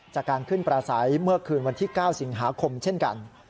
จากการขึ้นประสัยเมื่อคืนวันที่๙สิงหาคมเช่นกัน